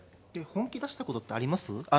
本気出したことってあります？